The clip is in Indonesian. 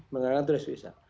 menggunakan turis visa